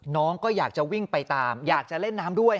น้องก็อยากจะวิ่งไปตามอยากจะเล่นน้ำด้วย